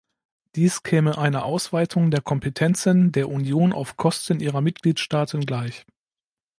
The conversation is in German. Dies käme einer Ausweitung der Kompetenzen der Union auf Kosten ihrer Mitgliedstaaten gleich.